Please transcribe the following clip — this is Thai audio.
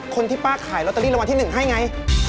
คนที่ป้าขายลอตเตอรี่รางวัลที่๑ให้ไง